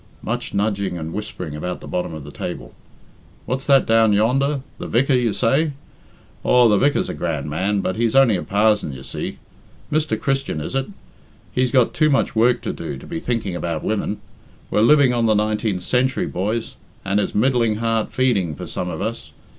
(Much nudging and whispering about the bottom of the table.) "What's that down yonder? 'The vicar,' you say? Aw, the vicar's a grand man, but he's only a parzon, you see. Mr. Christian, is it? He's got too much work to do to be thinking about women. We're living on the nineteenth century, boys, and it's middling hard feeding for some of us.